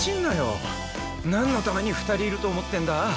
なんのために２人いると思ってんだ？